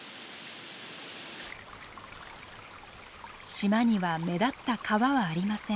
島には目立った川はありません。